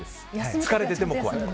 疲れていても怖い。